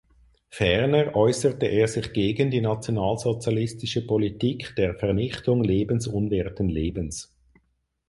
Ferner äußerte er sich gegen die nationalsozialistische Politik der Vernichtung lebensunwerten Lebens.